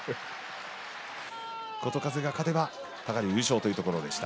琴風が勝てば多賀竜優勝というところでした。